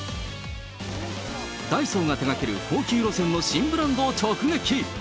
ダイソーが手がける高級路線の新ブランドを直撃。